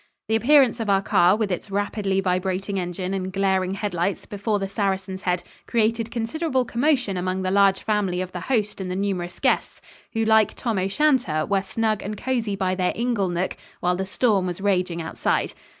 The appearance of our car with its rapidly vibrating engine and glaring headlights before the Saracen's Head created considerable commotion among the large family of the host and the numerous guests, who, like Tam O' Shanter, were snug and cozy by their inglenook while the storm was raging outside.